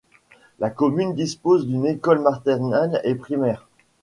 La commune dispose d'une école maternelle et primaire.